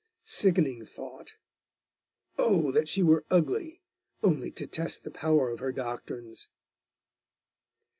Sickening thought! Oh, that she were ugly, only to test the power of her doctrines!